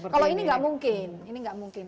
kalau ini gak mungkin